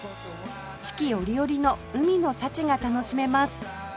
四季折々の海の幸が楽しめます